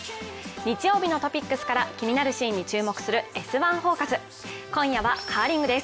日曜日のトピックスから、気になるシーンに注目する「Ｓ☆１フォーカス」。